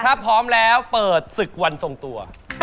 ถ้าพร้อมแล้วเปิดศึกวันทรงตัว